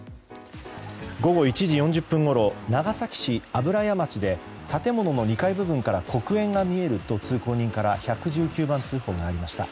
午後１時４０分ごろ長崎市油屋町で建物の２階部分から黒煙が見えると通行人から１１９番通報がありました。